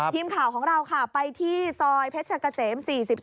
ทีมข่าวของเราค่ะไปที่ซอยเพชรกะเสม๔๔